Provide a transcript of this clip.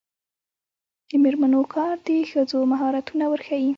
د میرمنو کار د ښځو مهارتونه ورښيي.